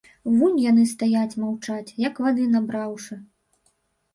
Вунь яны стаяць, маўчаць, як вады набраўшы.